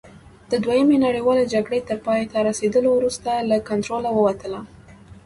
د دویمې نړیوالې جګړې تر پایته رسېدو وروسته له کنټروله ووتله.